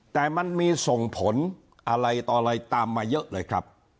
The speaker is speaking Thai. แต่มันมีส่งผลอะไรต่ออะไรตามมาเยอะเลยครับ